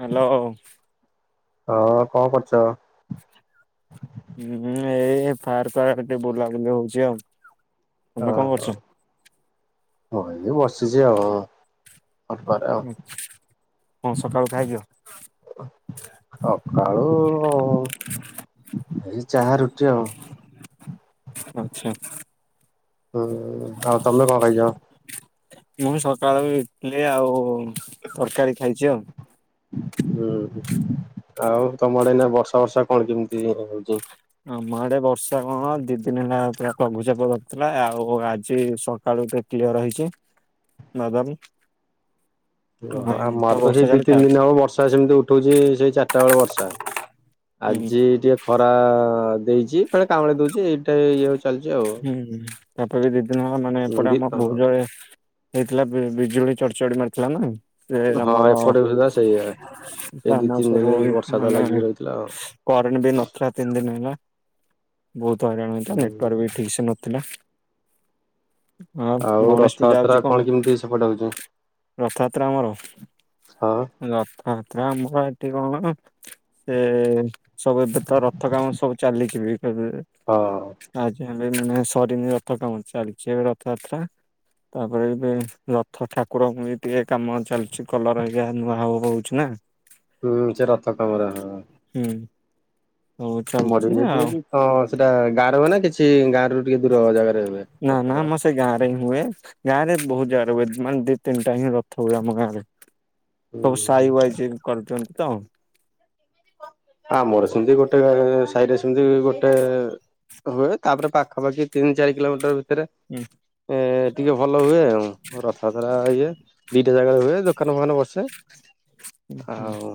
Hello ହୁଁ ହଁ କଣ କରୁଛ? ହୁଁ ଏଇ ପାର୍କ ପାଖରେ ଟିକେ ବୁଲାବୁଲି ହଉଛି ଆଉ। ତମେ କଣ ଓହୋ କରୁଛ? ଆଉ ଏମିତି ବସିଛି ଆଉ। ଅଟପାରେ ଆଉ। କଣ ସକାଳୁ ଖାଇଥିଲ? ସକାଳୁ ଏଇ ଚାହା ରୁଟି ଆଉ। ଆଚ୍ଛା। ହୁଁ ଆଉ ତମେ କଣ ଖାଇଚ? ମୁଁ ସକାଳ ଇଟିଲି ଆଉ ତରକାରୀ ଖାଇଛି ଆଉ। ହୁଁ ହୁ ଆଉ ତମର ଏଇନା ବର୍ଷା ଫର୍ଷା କଣ କେମିତି ହଉଛି। ଆମ ଆଡେ ବର୍ଷା କଣ ଦି ଦିନ ହେଲା ପୁରା ଲଘୁଚାପ ଦରଥିଲା ଆଉ ଆଜି ସକାଳୁ କ୍ଳିଅର ହେଇଚି ବାଦଲ। ହଁ ଓହ ଏମିତି ଆମର ତ ବର୍ଷା ସେଇ ଦି ଚାଲି ତା ତିନି ଦିନ ହବ ବର୍ଷା ସେମିତି ଉଠଉଛି ସେଇ ଚାରିଟା ବେଳେ ବର୍ଷା। ହୁଁ ଆଜି ଟିକେ ଖରା ଦେଇଛି ଫଳେ କାମୁଳି ଦଉଛି ଏଇଟା ଇଏ ହଉଛି। ହୁଁ ତାପରେ ବି ଦି ଦିନ ହବ ନାହେନେ ହୁଁ ଏପଟେ ଦି ଆମ ବହୁତ ଜଳେ ହେଇଥିଲା ବିଜୁଳି ଚଢଚଡି ମାରୁଥିଲା ନା। ସେ ହଁ ଆମର ଏପଟେ ସୁଧା ସେଇଆ। ସେଇ [unintelligible] ଦି ଆମ ତିନି ସବୁ ଦିନ ବର୍ଷା ତ ମାନେ ଲାଗିକି ରହିଥିଲା ଆଉ। କରେଣ୍ଟ ବି ନଥିଲା ତିନି ଦିନ ହେଲା ବହୁତ ହଇରାଣ ହେଇଥିଲା ହୁଁ ନେଟାର୍କ ବି କିଛି ନଥିଲା। ହଁ ଆଉ ଗଣେଶ ପୂଜା ରଥଯାତ୍ରା ହଉଛି କଣ କେମିତି ସେପଟେ ହଉଛି? ରଥଯାତ୍ରା ଆମର। ହଁ। ରଥଯାତ୍ରା ଆମର ଏଠି କଣ କହିଲୁ ସେ ସବୁ ଏବେ ତ ରଥ କାମ ସବୁ ଚାଲଛିି ବି ସବୁ। ହଁ। ମାନେ ସରିନି ରଥ କାମ ଚାଲିଛି ଏବେ ରଥଯାତ୍ରା। ତାପରେ ଏବେ ରଥ ଠାକୁରଙ୍କୁ ବି ଟିକେ କାମ ଚାଲିଛି କଲର ହେଇା ନୂଆ ହବ ହଉଛି ନା। [unintelligible] ହୁଁ ସେ ରଥ କାମରେ ହଁ। [unintelligible] ସବୁ ଚାଲିଛି ମରିବି ସେଇଠି ଆଉ ଅଛି ତ ସେଇଟା ଗାଁରେ ହୁଏ ନା କିଛି ଗାଁ ରରୁ ଟିକେ ଦୂର ଜାଗାରେ ହୁଏ ନା ନା ଆମ ରଥଧାରା। ସେ ଗାଁରେିଁ ହୁଏ ଗାଁରେ ବହୁତ ଜାଗା ହୁଏ ମାନେ ଦି ତିନିଟା ହିଁ ରଥ ହୁଏ ଆମ ଗାଁରେ। ସବୁ ହୁଁ। ସାଇ ୱାଇଜିନ୍ କରୁଛନ୍ତି ତ। ଆମର ସେମିତି ଗୋଟେ ସାହିରେ ସେମିତି ଗୋଟେ। ହୁଏ ତାପରେ ପାଖାପାଖି ତିନି ଚାରି କିଲୋମିଟର ଭିତରେ। ହୁଁ। ଏ ଟିକେ ଭଲ ହୁଏ ଆଉ ରଥ ଯାତ୍ରା ଇଏ। ଦିଟା ଜାଗାରେ ହୁଏ ଦୋକାନ ଫୋକାନ ବସେ ହୁଁ ଆଉ।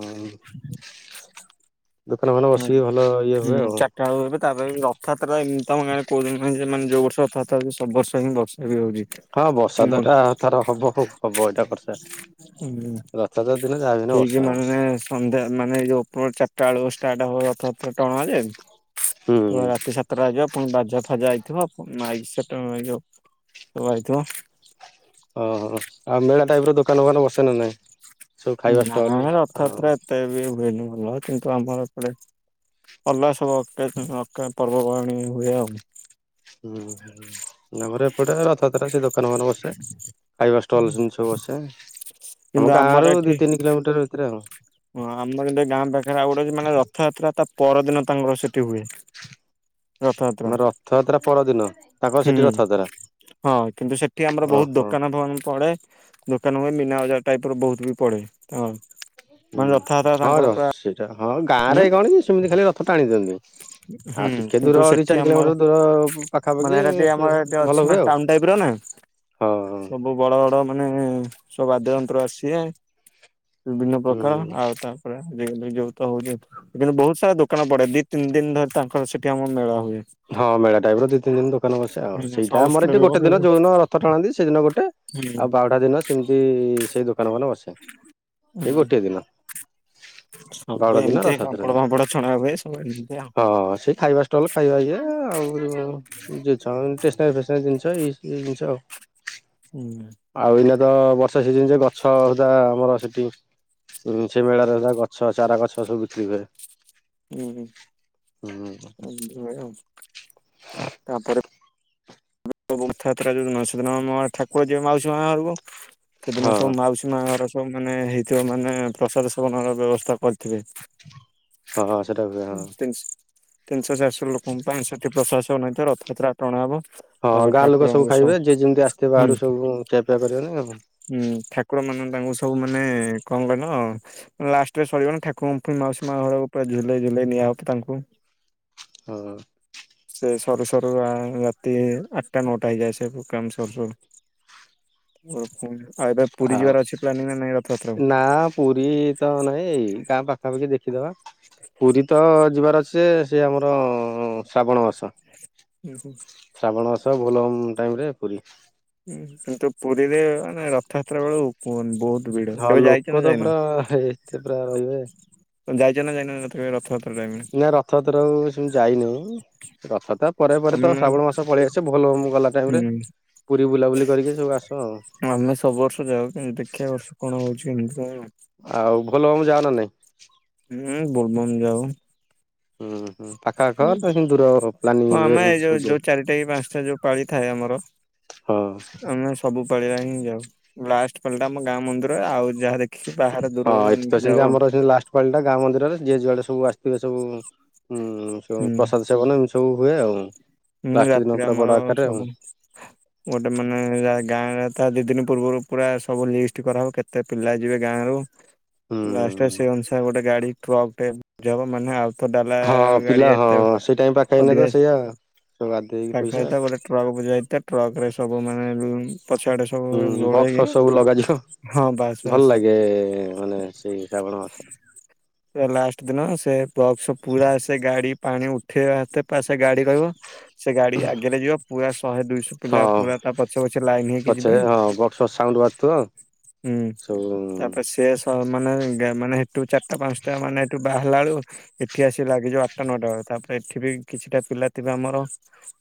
ଦୋକାନ ଫୋକାନ ବସିକି ଭଲ ଇଏ ହୁଏ ଆଉ। ଆଉ ତାପରେ ରଥଯାତ୍ରା ଏମି ତ କହୁ ଯୋନ ଯୋଉ ବର୍ଷ ରଥଯାତ୍ରା। ତା ସବୁର୍ଷ ହିଁ ବର୍ଷା ବି ହଉଛି। ହଁ ମୁଁ ବର୍ଷା ତ ମନ ଏଟା ତାର ହବ ଆଉ ହବ ଏଇଟା ପଶେଣ୍ଟ। ରଥଯାତ୍ରା ଦିନ ଯାହାବି ହେଲେ ଠିକ୍ ବର୍ଷା ହବ। ମାନେ ସନ୍ଧ୍ୟା ମାନେ ଯଉ ଚାରିଟା ବେଳକୁ ଷ୍ଟାର୍ଟ ହବ ରଥଯାତ୍ରା ଟଣାଯେ। ହୁଁ ପୁରା ରାତି ସାତଟା ବାଜିବ ପୁଣି ବାଜା ଫାଜା ଆଇଥିବ ମାଇକି ସେ। ଉ ଅଇଥିବ। ଅ ଆଉ ମେଳା ଟାଇପ ର ଦୋକାନ ଫୋକାନ ବସେନା ନାଇଁ ସବୁ ଖାଇବା ନା ଷ୍ଟଲ ଆଉ। ରଥଯାତ୍ରା ଏତେ ବି ହୁଏନି ଭଲ କିନ୍ତୁ ଆମର ଏପଟେ ଅଲଗା ସବୁ। ପର୍ବପର୍ବାଣି ହୁଏ ଆଉ। ହୁଁ ଆମର ଏପଟେ ରଥଯାତ୍ରା ସେଇ। ଦୋକାନ ଫୋକାନ ବସେ ଖାଇବା ଷ୍ଟଲ୍ ଜିନିଷ ବସେ କିନ୍ତୁ ଆମ ଗାଁ ଆମର ରୁ ଏଠି ଦି ତିନି। କିଲୋମିଟର ଭିତରେ ଆଉ। ହଁ ଆମର ଏବେ ଗାଁ ପାଖରେ ଆଉ ଗୋଟେ ଅଛି ମାନେ ରଥଯାତ୍ରା ତା। ପରଦିନ ତାଙ୍କର ସେଠି ହୁଏ। ରଥଯାତ୍ରା। ଆମ ରଥଯାତ୍ରା ପରଦିନ ତାଙ୍କର ସେଠି ହୁଁ ରଥଯାତ୍ରା। ହଁ କିନ୍ତୁ ସେଠି ଆମର ବହୁତ ଓହୋ ଦୋକାନ ଫୋକାନ ପଡେ। ଦୋକାନ ହୁଏ ମୀନା ବଜାର ଟାଇପ୍ର ବହୁତ ବି ପଡ଼େ ହ। ହୁଁ ହଁ ରହ ସେଇଟା ହଁ ଗାଁ ଉଁ ରେ କଣ କି ସେମିତି ଖାଲି ରଥ ଟାଣି ଦିଅନ୍ତି। ହୁଁ ଆଉ ଟିକେ କିନ୍ତୁ ଦୂର ଦି ସେଠି ଚାରି ଆମର କିଲୋମିଟର ଦୂର ମାନେ ପାଖାପାଖି ଏଇଟା ଟିକେ ଆମର ଏଠି ଅଛି ଭଲ ନା ହୁଏ ଆଉ। ଟାଉନ ଟାଇପ ର ନା ହଁ ହଉ। ସବୁ ବଡ ବଡ ମାନେ ସବୁ ବାଦ୍ୟ ଯନ୍ତ୍ର ଆସେ ବିଭିନ୍ନ ପ୍ରକାର ହୁଁ ଆଉ ତା। ଯୋଉ ତ ହଉ କିନ୍ତୁ ବହୁତ ସାରା ଦୋକାନ ପଡେ ଦି। ତିନି ଦିନ ଧରି ତାଙ୍କର ସେଠି ଆମ ମେଳ ହୁଏ। ହଁ ମେଳା ଟାଇପ ର ଦିଇ ତିନ ଦିନ ଦୋକାନ ବସେ ଆଉ ହୁଁ ସେଇଟା ସବୁ ଆର ସ୍ତ୍ରୀ ଏଠି ଲୋକ ଗୋଟ ଦିନ ଯୋଉଦିନ ରଥ ଟାଣନ୍ତି ସେଦିନ ଗୋଟେ। ହୁଁ। ତା ଦିନ ସେମିତି ସେଇ ଦୋକାନ ଫୋକାନ ବସେ ସେଇ ହୁଁ ଗୋଟିଏ ଦିନ। ସବୁ ଗଡ ଦିନ ଏମିତି ରଥଯାତ୍ରା ପାମ୍ପଡ ହୁଏ ଫାମ୍ପଡ ଛଣା ହୁଏ ସବୁ ଏମିତି ଆଉ। ହଁ ସେଇ ଖାଇବା। ଷ୍ଟଲ୍ ଖାଇବା ଇଏ ଆଉ ଝିଅ ଛୁଆ ଙ୍କର ଷ୍ଟେସନାରୀ ଫେସନାରୀ ଜିନିଷ ଏଇ। ଏଇ ଜିନିଷ ଆଉ। ଇମା। ଆଉ ଏଇନା ତ ବର୍ଷା ସିଜିନ ଯେ ଗଛ ଯା ଆମର ସେଠି ଦୁରୁଛିଆ ମେଳା ହେଲା ଗଛ ଚାରା ଗଛ ସବୁ ବିକ୍ରି ହୁଏ। ହୁଁ ହୁଁ ହୁଁ [unintelligible] ତାପରେ। ରଥଯାତ୍ରା ଯୋଉଦିନ ସେଦିନ ମ ଠାକୁର ଯିବେ ମାଉସୀ ମା ଘରକୁ ସେଦିନ ସବୁ ହଁ ମାଉସୀ ମା ଘର ସବୁ ମାନେ ହେଇଥିବ ମାନେ ପ୍ରସାଦ ସେବନ ର ବ୍ୟବସ୍ଥା କରିଥିବେ। ହଁ ସେଟା ହୁଏ ହଁ। ତିନିଶହ ଚାରିଶହ ଲୋକଙ୍କ ପାଇଁ ସେଠି ପ୍ରଶାସନ ରଥଯାତ୍ରା ଟଣା ହବ। ହଁ ତାପରେ ଗାଁ ଲୋକ ସବୁ ଠାକୁରଙ୍କୁ ଖାଇବେ ଯିଏ ଯେମିତି ଆସିଥିବ ହୁଁ ବାହାରୁ ସବୁ ଖିଆପିଆ କରିବେନି ଆଉ। ହୁଁ ଠାକୁର ମାନ ତାଙ୍କୁ ସବୁ ମାନେ କଅଁ କହିଲ ଲାଷ୍ଟରେ ସରିବନି ଠାକୁର ଙ୍କୁ ମାଉସୀ ମା ଘରକୁ ପୁରା ଝୁଲେଇ ଝୁଲେଇ ନିଆଯିବ ତାଙ୍କୁ। ହଁ। ସେ ସରୁ ସରୁ ଆ ଇଏ ଆଠଟା ନଅଟା ହେଇଯାଏ ସେ କାମ ସରୁ ସରୁ। ଉ ପୁଣି ଆ ଏବେ ପୁରୀ ଆଉ ଯିବାର ଅଛି ପ୍ଲାନିଂ ନା ନାଇଁ ରଥଯାତ୍ରାକୁ? ନା ପୁରୀ ତ ନାଇଁ ଏଇ ଗାଁ ପାଖାପାଖି ଦେଖିଦବା। ପୁରୀ ତ ଯିବାର ଅଛି ଯେ ସେ ଆମର ଶ୍ରାବଣ ମାସ। ଉଁ ହୁଁ। ଶ୍ରାବଣ ମାସ ଭୋଲ୍ ବମ୍ ଟାଇମ୍ ରେ ପୁରୀ। ହୁଁ କିନ୍ତୁ ପୁରୀରେ ମାନେ ରଥଯାତ୍ରା ବେଳୁ ଉପ ବହୁତ ଭିଡ ହଁ କେବେ ଯାଇଛ ନା ଲୋକ ତ ଯାଇନ? ପୁରା ଏତେ ପୁରା ରହିବେ। ଯାଇଚ ନା ଯାଇନ କେବେ ରଥଯାତ୍ରା ଟାଇମ ରେ? ନା ରଥଯାତ୍ରା କୁ ସେମତି ଯାଇନେଇ। ରଥତ୍ରା ପରେ ପରେ ତ ଆମେ ଶ୍ରାବଣ ମାସ ପଳେଇ ଆସେ ଭୋଲ ବମ୍ ଗଲା ଟାଇମ ରେ ହୁଁ ପୁରୀ ବୁଲାବୁଲି କରିକି ସବୁ ଆସୁ ଆଉ। ଆମେ ସବୁ ବର୍ଷ ଯାଉ କିନ୍ତୁ ଦେଖିବା ଏ ବର୍ଷ କଣ ହଉଚି କେମିତି କଣ। ଆଉ ଭୋଲ ବମ ଯାଅ ନା ନାଇଁ? ହୁଁ ବୋଲବମ୍ ଯାଉ। ହୁଁ ହୁଁ ପାଖ ଆଖ ନା ସେମିତି ଦୂର ପ୍ଲାନିଂ ହଁ ହୁଏ ଆମେ ଏଇ ଏମିତି ସବୁ ଯୋଉ ଯୋଉ ଯିବାକୁ ଚାରିଟା କି ପାଞ୍ଚଟା ଯୋଉ ପାଳି ଥାଏ ଆମର ହଁ ଆମେ ସବୁ ପାଳିଆ ହିଁ ଯାଉ। ଲାଷ୍ଟ ପାଳି ଟା ଆମ ଗାଁ ମନ୍ଦିର ରେ ଆଉ ଯାହା ଦେଖ କି ବାହାରେ ଦୂରରୁ ଏମିତି ଯାଉ ଆଉ। ପାଳିଟା ଗାଁ ମନ୍ଦିରରେ ଯିଏ ଯୁଆଡେ ସବୁ ଆସିଥିବେ ସବୁ ଉଁ ସୁ ହୁଁ। ପ୍ରସାଦ ସେବନ ଏମିତ୍ ସବୁ ହୁଏ ଆଉ। ହୁଁ ଲାଷ୍ଟ ଦିନ ରାତିରେ ପୁରା ବଡ ଆମର ଆକାରରେ ଆଉ ସବୁ ଗୋଟେ ମାନେ ଗାଁ ରେ ତା ଦି ଦିନ ପୂର୍ବରୁ ପୁରା ସବୁ ଲିଷ୍ଟ କରାହବ କେତେ ପିଲା ଯିବେ ଗାଁରୁ। ଲାଷ୍ଟ୍ ରେ ହୁଁ ସେଇ ଅନୁସାରେ ଗୋଟେ ଗାଡି ଟ୍ରକ୍ ଟେ ବୁଝା ହବ ମାନେ ଆଉ ତ ଡାଲା ହଁ ପିଲା ଗାଡି ହଁ ଏତେ ସେଇ ଟାଇମ ପାଖେଇ ଆଇନେ ତ ଅଧିକା ସେଇଆ ସବୁ ଆଦେଇକି ତା ପଇସା ସହିତ ଗୋଟେ ଟ୍ରକ୍ ବୁ ଯା ହେଇଥା ଟ୍ରକ ରେ ସବୁାନେ ପଛଆଡେ ହୁଁ ବକ୍ସ ଫସ ସବୁ ଲଗାଯିବ। ହଁ ବାସ୍ ବାସ୍। ଭଲ ଲାଗେ ମାନେ ସେଇ ଶ୍ରାବଣ ମାସ। ଲାଷ୍ଟ ଦିନ ସେ ବକ୍ସ ପୁରା ସେ ଗାଡି ପାଣି ଉଠେଇେଆ ଏତେ ସେ ଗାଡି ରହିବ। ସେ ଗାଡି ଆଗେରେ ଯିବ ପୁରା ଶହେ ଦୁଇଶ ପିଲା ହଁ ପୁରା ତା ପଛେ ପଛେ ଲାଇନ୍ ହେଇକି ପଛରେ ଯିବେ। ହଁ ବକ୍ସ ଫକ୍ସ ସାଉଣ୍ଡ ବାଜୁଥିବ ହୁଁ ସବୁ ତାପରେ ସେ ସ୍ ମାନେ ଗାଁ ମାନେ ହେଠୁ ଚାରିଟା ପାଞ୍ଚଟା ମାନେ ଏଠୁ ବାହାରିଲା ବେଳୁ ଏଠି ଆସି ଲାଗିଯାଏ ଆଟଟା ନଅଟା ବେଳୁ ତାପରେ ଏଠି ବି କିଛିଟା ପିଲା ଥିବେ ଆମର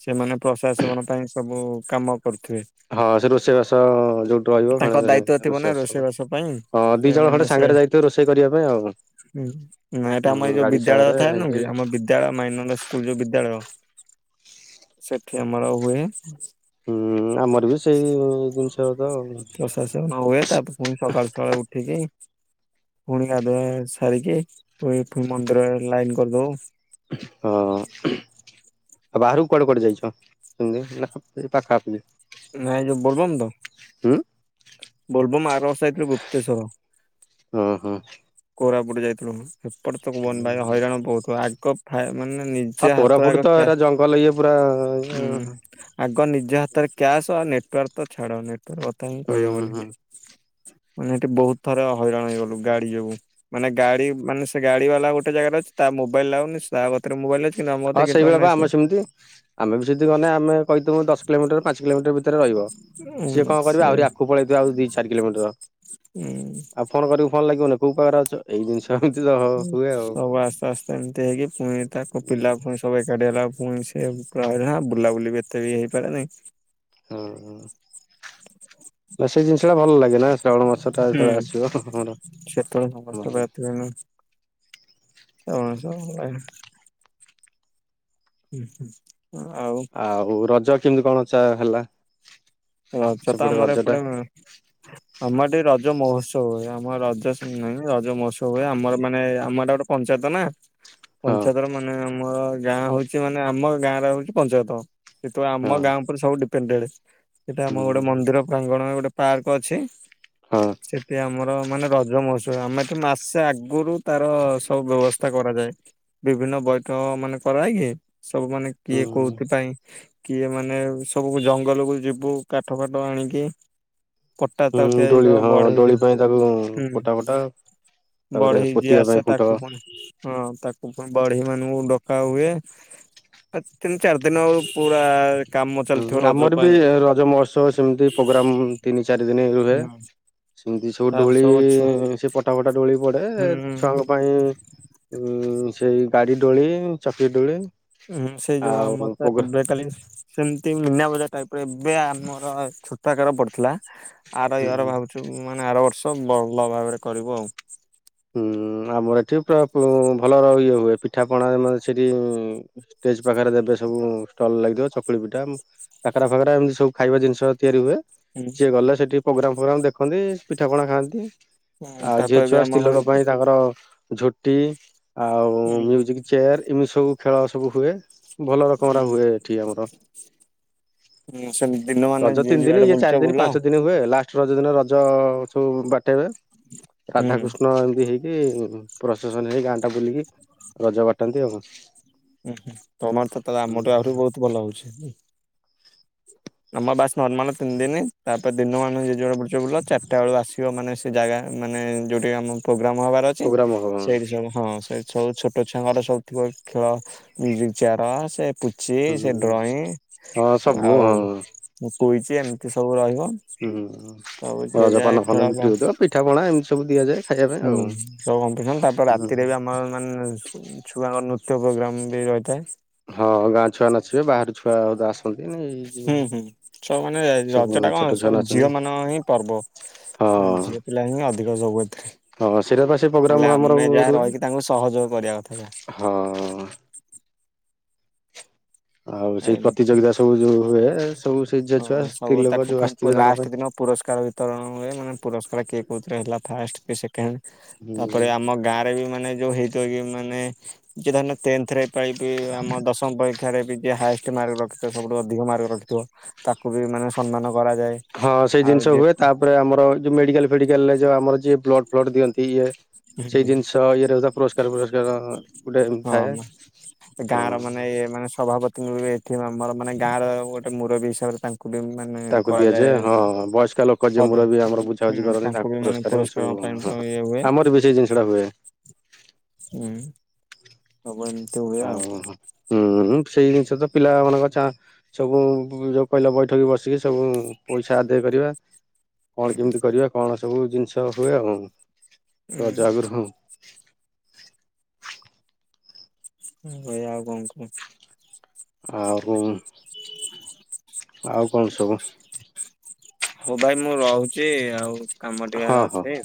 ସେମାନେ ପ୍ରସାଦ ସେବନ ପାଇଁ ସବୁ କାମ କରିଥିବେ। ହଁ ସେ ରୋଷେଇ ବାସ ଯୋଉଠି ରହିବ ତାଙ୍କ ଖଣ୍ଡେ ଦାୟିତ୍ଵ ଥିବ ନା ରୋଷେଇବାସ ହବ ପାଇଁ। ହଁ ଦି ଜଣ ଖଣ୍ଡେ ସାଙ୍ଗେରେ ଯାଇ ଥିବେ ରୋଷେଇ କରିବା ପାଇଁ ଆଉ। ହୁଁ ନାଁ ଏଟା ଆମ ଏଇ ହୁଁ ଯୋଉ ଗାଡି ବିଦ୍ୟାଳୟ ଥାଏ ସାଙ୍ଗରେ ନୁହଁକି ଆମ ବିଦ୍ୟାଳୟ ମାଇନର ସ୍କୁଲ ଯୋଉ ବିଦ୍ୟାଳୟ ସେଠି ଆମର ହୁଏ ହୁଁ। ହୁଁ ଆମର ବି ସେଇ ଜିନିଷ ତ ଆଉ। ସେ ସବୁ ନ ହୁଏ ତାପରେ ଫୁଣି ସକାଳୁ ସକାଳୁ ଉଠିକି ଫୁଣି ଗାଧୁଆ ସାରିକି ପୁଣି ଫୁ ମନ୍ଦିରରେ ଲାଇନ କରି ଦଉ। ହଁ। ଆଉ ବାହାରୁକୁ କୁଆଡେ କୁଆଡେ ଯାଇଛ [unintelligible] ସେଇ ପାଖାଆଖୁ [unintelligible] ନାଇଁ ଯୋଉ ବୋଲବମ୍ ତ। ହୁଁ। ବୋଲବମ ଆର ବର୍ଷ ଯାଇଥିଲୁ ଗୁପ୍ତେଶ୍ଵର ହଁ ହଁ କୋରାପୁଟୁ ଯାଇଥିଲୁନୁ। ହେପଟେ ତ କୁହନି ଭାଇ ହଇରାଣ ବୋହୁତୁ ଆଗ ଫା ମାନେ ନି ହଁ ଜା ହାତ କୋରାପୁଟ ଆଗ ତ କା ଏରା ଜଙ୍ଗଲ ଇଏ ପୁରା ଉଁ ହୁଁ ଆଗ ନିଜ ହାତରେ କ୍ୟାସ ଆଉ ନେଟୱାର୍କ ତ ଛାଡ ନେଟୱାର୍କ କଥା ହିଁ କହି ହବନି ହୁଁ ଏଠି। ମାନେ ଏଠି ବୋହୁତ ଥର ହଇରାଣ ହେଇଗଲୁ ଗାଡି ଯୋଗୁଁ। ମାନେ ଗାଡି ମାନେ ସେ ଗାଡିବାଲା ଗୋଟେ ଜାଗାରେ ଅଛି ତା ମୋବାଇଲ୍ ଲାଗୁନି ସା କତିରେ ମୋବାଇଲ୍ ଅଛି। କିନ୍ତୁ ଆମ କତିରେ ହଁ କିନ୍ତୁ ସେଇଭଳିଆ ବା ସେ ଆମେ ସିମତି ଆମେ ବି ସେଇଠି ଗନେ ଆମେ କହିିଥିମୁ ଦଶ କିଲୋମିଟର ପାଞ୍ଚ କିଲୋମିଟର ଭି ତେରେ ରହିବ ଉଁ ସିଏ କଁ କରିବେ ସେ ଆହୁରି ଆଗୁକୁ ପଳେଇଥିବେ ଆଉ ଦି ଚାରି କିଲୋମିଟର। ଉଁ ଆଉ ଫୋନ କରିବୁ ଫୋନ୍ ଲାଗିବନି କୋଉ ପାଖେରେ ଅଛ ଏଇ ଜିନିଷ ହିନ୍ତି ତ ହ ହୁଏ ଆଉ। ସବୁ ଆସ୍ତେ ଆସ୍ତେ ଏମତି ହେଇକି ଫୁଣି ତାକୁ ପିଲା ଫୁଣି ସବୁ ଏକାଠି ହେଲାକୁ ଫୁଣି ମିଶି [unintelligible] ବୁଲାବୁଲି ବି ଏତେ ବି ହେଇପାରେ ନାହିଁ। ହୁଁ। ଏସବୁ ଜିନିଷଟା ଭଲ ଲାଗେ ନା ଶ୍ରାବଣ ମାସଟା ହୁଁ ଯେତେବେଳେ ଆସିବ ହଁ ହଁ ଆମର ଭଲ ଲାଗେ। ଫୁଣି [unintelligible] ଉଁ ହୁଁ ହଁ ଆଉ ଆଉ ରଜ କିମତି କଣ ଚା ହେଲା? ରଜ ତ ସେପଟେ ଆମର ରଜ ଟା ଏପଟେ ହୁଁ ଆମର ଟିକେ ରଜ ମହୋତ୍ସବ ହୁଏ ଆମର ରଜ [unintelligible] ରଜ ମହୋତ୍ସବ ହୁଏ ଆମର ମାନେ ଆମ ଏଟା ଗୋଟେ ପଞ୍ଚାୟତ ନା ହଁ ପଞ୍ଚାୟତର ମା ମାନେ ଆମର ଗାଁ ହଉଛି ମାନେ ଆମ ଗାଁରେ ହଉଛି ପଞ୍ଚାୟତ ଯେହେତୁ ଆମ ହଁ ଗାଁ ଉପେରେ ସବୁ ଡି ପେଣ୍ଡେଡେ ହେଇଟା ହୁଁ ଆମର ଗୋଟେ ହୁଁ ମନ୍ଦିର ପ୍ରାଙ୍ଗଣ ଗୋଟେ ପାର୍କ ଅଛି। ହଁ। ସେଠି ଆମର ମାନେ ରଜ ମହୋତ୍ସବ ହୁଏ ଆମେ ତ ମାସେ ଆଗୁରୁ ତାର ସବୁ ବ୍ୟବସ୍ଥା କରାଯାଏ। ବିଭିନ୍ନ ବୈଠକ ମାନେ କରାହେଇକି ସବୁ ମାନେ କିଏ ହୁଁ କୋଉଥିପାଇଁ କିଏ ମାନେ ସବୁ ଜଙ୍ଗଲୁକୁୁ ଯିବୁ। କାଠ ଫାଠ ଆଣିକି ପଟା ତାକୁ ହୁଁ ତିଆରି ଦୋଳି କର ହଁ ବଢେଇ ଦୋଳି ଯୋଉ ପାଇଁ ତାକୁ ପୋଟା ଫୋଟା ହୁଁ। ତାପରେ ବଢେଇ ଯିଏ ପୋତିବା ପାଇଁ ଆସେ ଖୁଣ୍ଟ ତାକୁ ପୁଣି ହଁ ତାକୁ ଫୁଣି ବଢେଇମାନୁଙ୍କୁ ଡକା ହୁଏ। ଏ ତିନ ଚାରି ଦିନ ହବ ପୁରା କାମ ଚାଲିଥିବ ହୁଁ ରଜ ଆମର ପାଇଁ। ବି ରଜ ମହୋତ୍ସବ ସିମତି ପୋଗ୍ରାମ୍ ତିନି ଚାରି ଦିନି ରୁହେ। ସେମିତି ସବୁ ତାପରେ ଡୋଳି ଛୁ ସେ ପଟା ଫଟା ଦୋଳି ପଡ଼େ ଛୁଆଙ୍କ ପାଇଁ ଉଁ ସେଇ ଗାଡ଼ି ଡୋଳି ଚକ୍ରି ଡୋଳି। ହଁ ସେଇ ଯୋଉ ଆମର ତ ଏବେ କାଲି ସେମିତି ମୀନାବଜାର ଟାଇପ୍ ରେ ଏବେ ଆମର ଛୋ ଛୋଟକାର ପଡ଼ିଥିଲା ଆର ଇଅର ହୁଁ ଭାବୁଛୁ ମାନେ ଆର ବର୍ଷ ଭଲ ଭାବରେ କରିବୁ ଆଉ। ହୁଁ ଆମର ଏଠି ପୁରା ଭଲର ଇଏ ହୁଏ ପିଠାପଣା ଆମର ସେଠି ଷ୍ଟେଜ ପାଖରେ ଦେବେ ସବୁ ଷ୍ଟଲ ଲାଗିଥିବ ଚକୁଳି ପିଠା କାକରା ଫାକରା ଏମିତି ସବୁ ଖାଇବା ଜିନିଷ ତିଆରି ହୁଏ। ସିଏ ଗଲେ ସେଠି ପ୍ରୋଗ୍ରାମ୍ ଫୋଗ୍ରାମ୍ ଦେଖନ୍ତି ପିଠାପଣା ଖାଆନ୍ତି। ହଁ ଆଉ ଝିଅ ତାପରେ ଛୁଆ ବି ସ୍ତ୍ରୀ ଆମ ଲୋକ ମାନେ ପାଇଁ ତାଙ୍କର ଝୋଟି ଆଉ ମ୍ୟୁଜିକ୍ ଚେୟାର ଏମିତି ସବୁ ଖେଳ ସବୁ ହୁଏ ଭଲ ରକମର ହୁଏ ଏଠି ଆମର। ହୁଁ ସେମିତି ଦିନ ମାନ ରଜ ଯିଏ ତିନି ଦିନ ଯୁଆଡେ ଇଏ ବୁଲୁଛ ଚାରି ଦିନ ବୁଲ। ପାଞ୍ଚ ଦିନ ହୁଏ ଲା ଷ୍ଟ ରଜ ଦିନ ରଜ ସବୁ ବାଟେଇବେ ହୁଁ ରାଧାକୃଶ ଷ୍ଣ ଏମିତି ହେଇକି ପ୍ରସେସନ ହେଇ ଗାଁ ଟା ବୁଲିକି ରଜ ବାଟନ୍ତି ଆଉ କଣ? ହୁଁ ହୁଁ ତମର ତ ତ ଆମଠୁ ଆହୁରି ବି ପ୍ରୋଗ୍ରାମ ବହୁତ ଭଲ ହଉଛି। ଆମ ବାସ୍ ନର୍ମାଲ ତିନି ଦିନି ତାପରେ ଦିନ ମାନ ଯିଏ ଯୁଆଡ଼େ ବୁଲୁଛ ବୁଲ ଚାରିଟା ବେଳ ଆସିବ ମାନେ ସେ ଜାଗା ମାନେ ଯୋଉଠି ଆମ ପ୍ରୋଗ୍ରାମ ହବାର ଅଛି ହବ ସେଇଠି ସବୁ ହଁ ସେ ଛବୁ ଛୋଟ ଛୁଆଙ୍କର ସବୁ ଥିବ ଖେଳ ମ୍ୟୁଜିକ୍ ଚେୟାର ସେ ପୁଚି ହୁଁ ସେ ଡ୍ରଇଂ ହଁ ସବୁ ହଁ ଆଉ କୁଇଜ୍ ଏମିତି ସବୁ ରହିବ। ହୁଁ ସବୁ ଯିଏ ରଜ ଯାହା ପାନ ଖେଳ ଫାନ ବା ବିକ୍ରି ହଉଥିବ ପିଠା ପଣା ଏମିତି ସବୁ ଦିଆଯାଏ। ଖାଇବା ପାଇଁ ହୁଁ ଆଉ ସବୁ କମ୍ପିଟିସନ ତାପରେ ରାତିରେ ବି ଆମର ମାନେ ଛୁଆଙ୍କ ନୃତ୍ୟ ପ୍ରୋଗ୍ରାମ ବି ରହିଥାଏ। ହଁ ଗାଁ ଛୁଆ ନାଚିବେ ବାହାରୁ ଛୁଆ ବୋଧେ ଆସ ହୁଁ ହୁଁ ସବୁ ମାନେ ସବୁ ରଜ ଟା ଛୋଟ କଣ ଛୁଆ ସବୁ ନାଚନ୍ତି ଝିଅ ମାନଙ୍କ ହିଁ ପର୍ବ। ହଁ ଝିଅ ପିଲା ହିଁ ଅଧିକ ସବୁ ଏଥିରେ। ହଁ ସେଇଟା ବା ସେ ପ୍ରୋଗ୍ରାମ ହେଲେ ଆମର ଆମେ ଯାହା ରୁହେ ରହିକି ତାଙ୍କୁ ସହଯୋଗ କରିବା କଥା ଯାହା। ହଁ। ଆଉ ସେଇ ଏମ ପ୍ରତିଯୋଗିତା ସବୁ ଯୋଉ ହୁଏ ସବୁ ସେ ଝିଅ ଛୁଆ ହଁ ସବୁ ସ୍ତ୍ରୀ ଲୋକ ତାକୁ ଯୋଉ ଫୁଣି ପୁ ଆସିଥିବେ ତାଙ୍କ ଲାଷ୍ଟ ପାଇଁ ଦିନ ପୁରସ୍କାର ତରଣ ଭଳିଆ ମାନେ ପୁରସ୍କାର କିଏ କୋଉଥିରେ ହେଲା ଫାଷ୍ଟ କିଏ ଶେ କେଣ୍ଡ ହୁଁ। ତାପରେ ଆମ ଗାଁ ରେ ବି ମାନେ ଯୋଉ ହେଇଥିବ ଇଏ ମାନେ କିଏ ଧରି ନିଅ ଟେନ୍ଥ ରେ ପାଇବେ ଆମ ଦଶମ ପରୀକ୍ଷାରେ ବି ଯିଏ ହାଏଷ୍ଟ ମାର୍କ ରଖିଥିବ ସବୁଠୁ ଅଧିକ ମାର୍କ ରଖିଥିବ। ତାକୁ ବି ମାନେ ସମ୍ମାନ କରାଯାଏ। ହଁ ସେଇ ଆଉ ଜିନିଷ ଯେ ହୁଏ ତାପରେ ଆମର ଯଉ ମେଡିକାଲ୍ ଫେଡିକାଲ୍ ରେ ଯଉ ଆମର ଯିଏ ବ୍ଲଡ ଫ୍ଲଡ଼ ଦିଅନ୍ତି ଇଏ। ସେଇ ଜିନିଷ ଇଏରେଧ ପୁରସ୍କାର ଫୁରସ୍କାର ଗୋଟେ ଏମିତି ଥାଏ। ହଁ। ଗାଁ ର ମାନେ ମାନେ ସଭାପତିଙ୍କୁ ଏଠି ଆମର ମାନେ ଗାଁ ର ଗୋଟେ ମୁରବୀ ହିସାବରେ ତା ଙ୍କୁ ବି ମାନେ ତାଙ୍କୁ ଦିଆଯାଏ କରାଯାଏ ହଁ ବୟସ୍କ ଲୋକ ଯିଏ ପଦ ମୁରବି ଆମର ବୁଝାବୁଝି ହୁଁ କରନ୍ତି ତାଙ୍କୁ ବି ମାନେ ପୁରସ୍କୁ କଣ ପାଇଁ ତ ଇଏ ହୁଏ? ବେଶି ଜିିନଷଟା ହୁଏ। ହୁଁ। ହବନି। ଓଉ ହୁଁ ସେଇ ଜିନିଷ ତ ପିଲା ମାନଙ୍କ ଚା ସବୁ ଯଉ କହିଲେ ବୈଠକ ବସିକି ସବୁ ପଇସା ଆଦାୟ କରିବା। ହୁଁ କଣ କେମିତି କରିବା କଣ ସବୁ ଜିନିଷ ହୁଏ ଆଉ ହୁଁ। ରଜ ଆଗୁରୁ ହଁ। ହୁଁ ଭାଇ ଆଉ କଣ କହ? ଆଉ କୋଣ ଆଉ କଣ ସବୁ। ହୋଉ ଭାଇ ମୁଁ ରହୁଚି ଆଉ କାମ ଟିକେ ହଁ ହଁ ଅଛି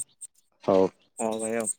ହଉ। ହଁ ଭାଇ ଆଉ